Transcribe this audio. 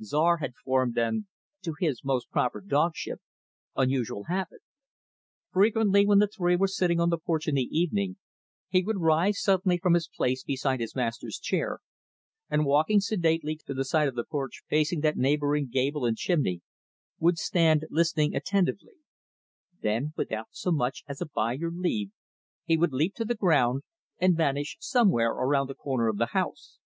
Czar had formed an to his most proper dogship unusual habit. Frequently, when the three were sitting on the porch in the evening, he would rise suddenly from his place beside his master's chair, and walking sedately to the side of the porch facing that neighboring gable and chimney, would stand listening attentively; then, without so much as a "by your leave," he would leap to the ground, and vanish somewhere around the corner of the house.